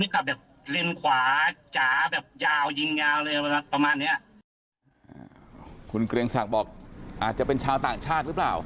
ประมาณเนี้ยคุณเกรงสักบอกอาจจะเป็นชาวต่างชาติหรือเปล่า